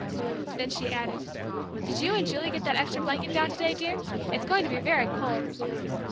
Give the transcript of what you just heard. '" Then she added, "Did you and Julie get that extra blanket down to day, dear? it's going to be very cold."